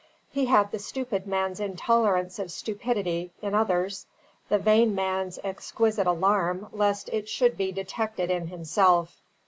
He had the stupid man's intolerance of stupidity in others; the vain man's exquisite alarm lest it should be detected in himself.